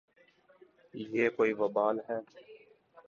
یہ کوئی وبال ہے۔